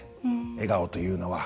笑顔というのは。